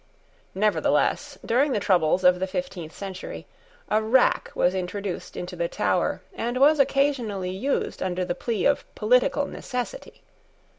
Nevertheless, during the troubles of the fifteenth century, a rack was introduced into the Tower, and was occasionally used under the plea of political necessity.